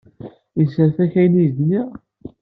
Yesserfa-k ayen ay d-nniɣ?